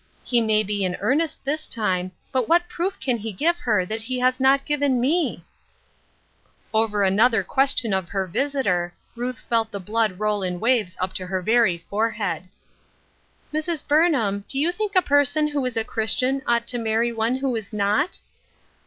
He may be in earnest this time, but what proof can he give her that he has not given me ?" Over another question of her visitor, Ruth felt the blood roll in waves up to her very forehead. A TROUBLESOME "YOUNG PERSON. 1 73 " Mrs. Burnham, do you think a person who is a Christian ought to marry one who is not